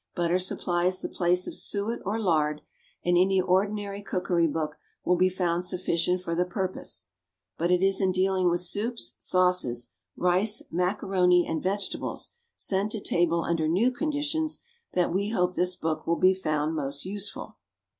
Butter supplies the place of suet or lard, and any ordinary, cookery book will be found sufficient for the purpose; but it is in dealing with soups, sauces, rice, macaroni, and vegetables, sent to table under new conditions, that we hope this book will be found most useful.